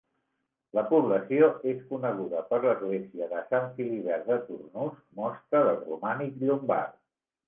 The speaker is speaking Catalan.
La població és coneguda per l'església de Sant Filibert de Tournus, mostra del romànic llombard.